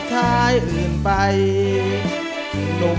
ไม่ใช้ครับไม่ใช้ครับ